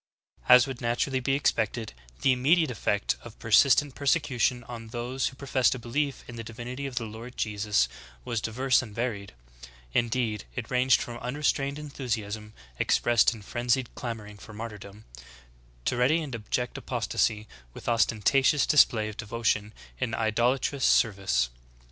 2. As would naturally be expected, the immediate effect of persistent persecution on those who professed a belief in the divinity of the Lord Jesus was diverse and varied; in deed it ranged from unrestrained enthusiasm expressed in frenzied clamoring for martyrdom, to ready and abject apos tasy with ostentatious display of devotion in idolatrous ser vice.